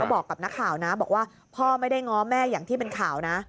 แต่ก็บอกกับน้าข่าวนะบอกว่าพ่อไม่ได้ง้อแม่ที่เป็นข่าวนะ